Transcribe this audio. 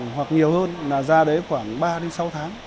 hoặc nhiều hơn là ra đấy khoảng ba đến sáu tháng